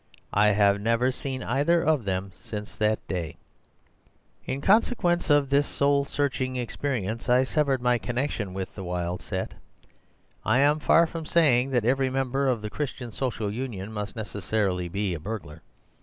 I have never seen either of them since that day. "In consequence of this soul searching experience I severed my connection with the wild set. I am far from saying that every member of the Christian Social Union must necessarily be a burglar.